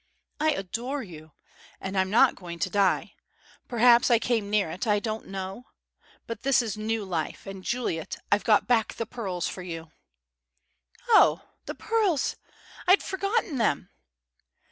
"I adore you. And I'm not going to die. Perhaps I came near it. I don't know. But this is new life. And, Juliet I've got back the pearls far you!" "Oh the pearls! I'd forgotten them."